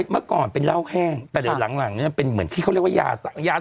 เมื่อก่อนเป็นเหล้าแห้งแต่เดี๋ยวหลังเนี่ยเป็นเหมือนที่เขาเรียกว่ายายา